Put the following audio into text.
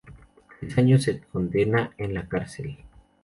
Tres años de condena en la cárcel.